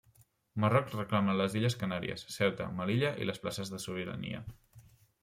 Marroc reclama les Illes Canàries, Ceuta, Melilla i les places de sobirania.